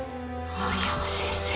森山先生。